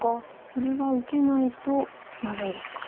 これは受けないとまずいですか。